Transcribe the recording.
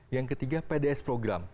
yang ketiga pds program